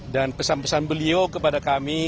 dan pesan pesan beliau kepada kami